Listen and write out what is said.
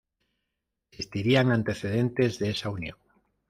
Existirían antecedentes de esa Unión.